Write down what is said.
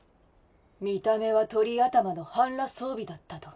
見た目は鳥頭の半裸装備だったと？